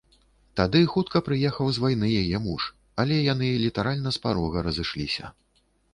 Туды хутка прыехаў з вайны яе муж, але яны літаральна з парога разышліся.